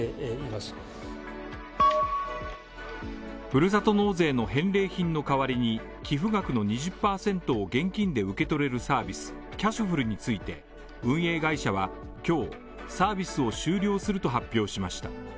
ふるさと納税の返礼品の代わりに、寄付額の２０％を現金で受け取れるサービス、キャシュふるについて、運営会社は今日サービスを終了すると発表しました。